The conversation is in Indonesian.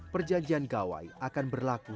perjanjian gawai akan berlaku